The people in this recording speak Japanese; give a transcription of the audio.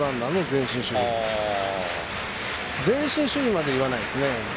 前進守備までいわないですね。